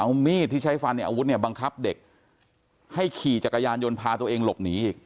เอามีดที่ใช้ฟันในอาวุธเนี่ยบังคับเด็กให้ขี่จักรยานยนต์พาตัวเองหลบหนีอีก